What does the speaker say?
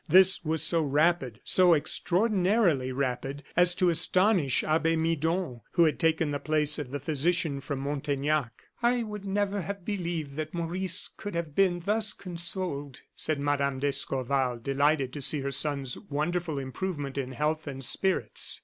This was so rapid, so extraordinarily rapid, as to astonish Abbe Midon, who had taken the place of the physician from Montaignac. "I never would have believed that Maurice could have been thus consoled," said Mme. d'Escorval, delighted to see her son's wonderful improvement in health and spirits.